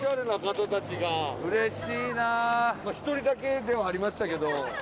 １人だけではありましたけど。